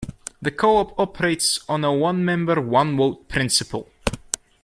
The co-op operates on a one-member, one-vote principle.